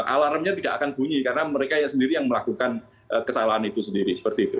alarmnya tidak akan bunyi karena mereka yang melakukan kesalahan itu sendiri